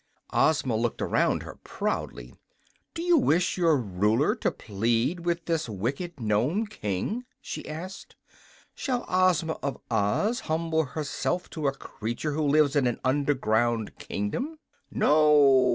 Ozma looked around her proudly. "Do you wish your ruler to plead with this wicked Nome King?" she asked. "Shall Ozma of Oz humble herself to a creature who lives in an underground kingdom?" "No!"